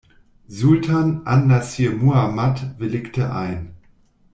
Sultan an-Nasir Muhammad willigte ein.